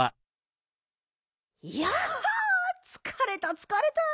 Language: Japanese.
いやつかれたつかれた。